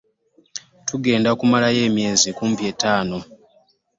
Tugenda kumalayo emyezi kumpi etaano.